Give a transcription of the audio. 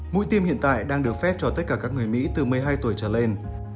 mũi tiêm hiện tại đang được phép cho tất cả các người mỹ từ một mươi hai tuổi trở lên